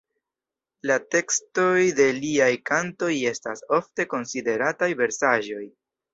La tekstoj de liaj kantoj estas ofte konsiderataj versaĵoj.